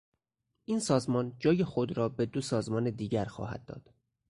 این سازمان جای خود را به دو سازمان دیگر خواهد داد.